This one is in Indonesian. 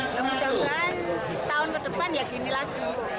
sebenarnya tahun ke depan ya gini lagi